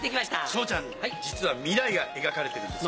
昇ちゃん実は未来が描かれているんですよ。